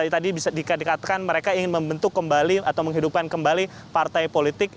tadi bisa dikatakan mereka ingin membentuk kembali atau menghidupkan kembali partai politik